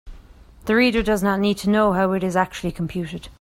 The reader does not need to know how it is actually computed.